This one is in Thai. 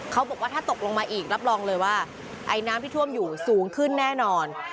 เขาบอกว่าถ้าตกลงมาอีกรับรองเลยว่าไอน้ำที่ท่วมอยู่สูงขึ้นแน่นอน